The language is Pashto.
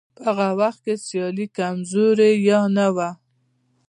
په هغه وخت کې سیالي کمزورې یا نه وه.